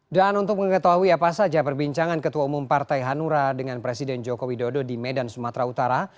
dan untuk mengetahui apa saja perbincangan ketua umum partai hanura dengan presiden joko widodo di medan sumatera utara